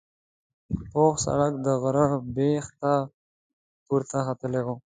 پوخ سړک د غره بیخ ته پورته ختلی و.